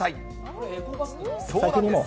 これ、そうなんです。